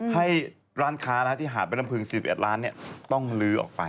ให้ร้านค้าที่หาดแม่น้ำพึง๔๑ล้านต้องลื้อออกไป